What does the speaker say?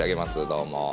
どうも。